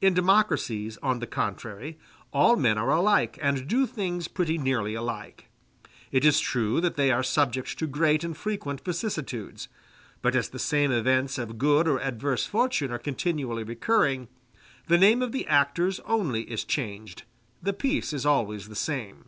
In democracies, on the contrary, all men are alike and do things pretty nearly alike. It is true that they are subject to great and frequent vicissitudes; but as the same events of good or adverse fortune are continually recurring, the name of the actors only is changed, the piece is always the same.